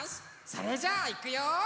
それじゃあいくよ！